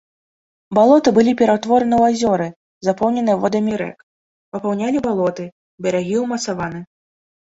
Балоты былі пераўтвораны ў азёры, запоўненыя водамі рэк, папаўнялі балоты, берагі ўмацаваны.